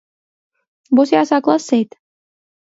Būs jāsāk lasīt...